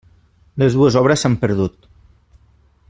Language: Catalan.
Les dues obres s'han perdut.